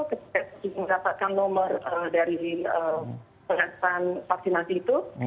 jadi kita bisa menghasilkan vaksinasi itu dan kita bisa menghasilkan nomor dari penghasilan vaksinasi itu